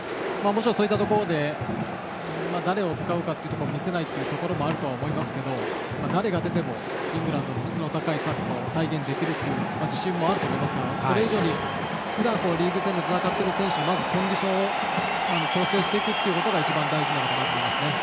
そういったところで誰を使うかというところを見せないというところもあると思いますが誰が出てもイングランドの質の高いサッカーを体現できる自信もあると思いますがそれ以上にふだんリーグ戦で戦っている選手はまずコンディションを調整していくことが一番大事だと思いますね。